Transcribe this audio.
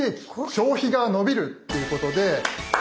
消費が伸びる！」ということで。